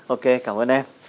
ok cảm ơn em